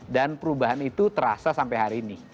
dan perubahan itu terasa sampai hari ini